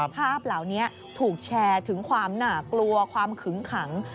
ภาพเหล่านี้ถูกแชร์ถึงความน่ากลัวความขึงขัง